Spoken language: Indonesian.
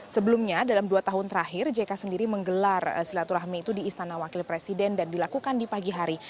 sebelumnya dalam dua tahun terakhir jk sendiri menggelar silaturahmi itu di istana wakil presiden dan dilakukan di pagi hari